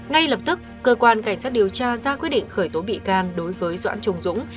ngay lập tức cơ quan cảnh sát điều tra ra quyết định khởi tố bị can đối với doãn trung dũng